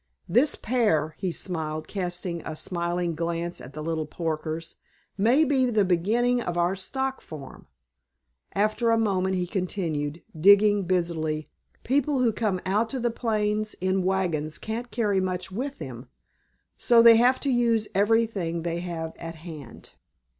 This pair," he smiled, casting a smiling glance at the little porkers, "may be the beginning of our stock farm." After a moment he continued, digging busily, "People who come out to the plains in wagons can't carry much with them, so they have to use everything they have at hand.